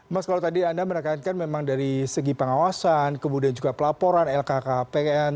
mas kalau tadi anda menekankan memang dari segi pengawasan kemudian juga pelaporan lhkpn